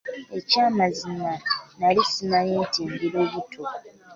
Eky'amazima nnali ssimanyi nti ndi lubuto.